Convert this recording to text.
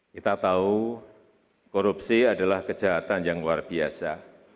kita tahu korupsi adalah kejahatan yang luar biasa